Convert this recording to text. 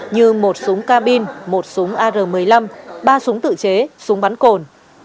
như một súng ca bin một súng ar một mươi năm ba súng tự chế súng bắn cồn